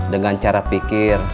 dengan cara pikir